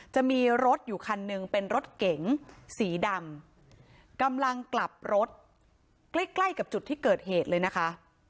จะมีรถอยู่คันหนึ่งเป็นรถเก๋งสีดำกำลังกลับรถใกล้ใกล้กับจุดที่เกิดเหตุเลยนะคะ